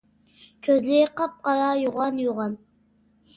كۆزلىرى قاپقارا، يوغان - يوغان.